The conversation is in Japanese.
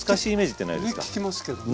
ね聞きますけどね。